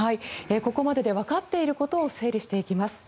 ここまででわかっていることを整理していきます。